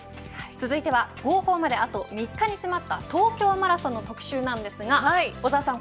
続いては、号砲まであと３日に迫った東京マラソンの特集なんですが小澤さん